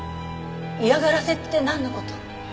嫌がらせってなんの事？